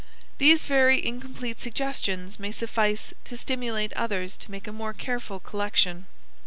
These very incomplete suggestions may suffice to stimulate others to make a more careful collection.